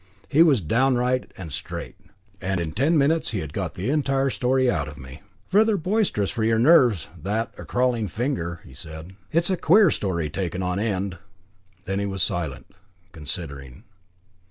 He was downright and straight, and in ten minutes had got the entire story out of me. "Rather boisterous for your nerves that a crawling finger," said he. "It's a queer story taken on end." Then he was silent, considering.